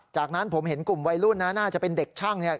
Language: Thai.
จากนั้นผมเห็นกลุ่มวัยรุ่นนะน่าจะเป็นเด็กช่างเนี่ย